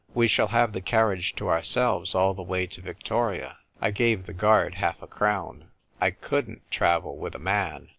" We shall have the carriage to ourselves all the way to Victoria. I gave the guard half a crown. I couldnt travel with a man.